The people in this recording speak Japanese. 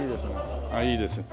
あっいいですね。